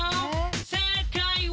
「正解は」